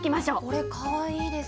これ、かわいいです。